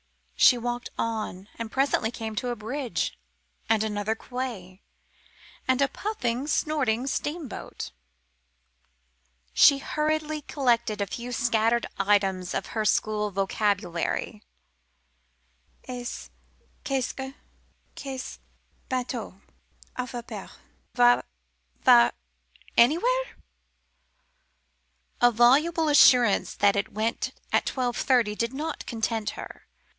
She walked on and came presently to a bridge, and another quay, and a little puffing, snorting steamboat. She hurriedly collected a few scattered items of her school vocabulary "Est ce que est ce que ce bateau à vapeur va va anywhere?" A voluble assurance that it went at twelve thirty did not content her.